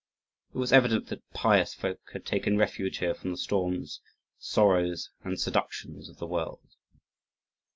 It was evident that pious folk had taken refuge here from the storms, sorrows, and seductions of the world.